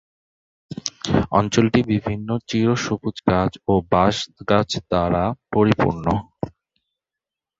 অঞ্চলটি বিভিন্ন চিরসবুজ গাছ ও বাঁশ গাছ দ্বারা পরিপূর্ণ।